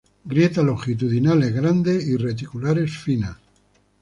Grietas longitudinales grandes y reticulares finas.